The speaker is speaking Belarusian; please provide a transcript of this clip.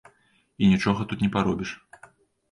І нічога тут не паробіш.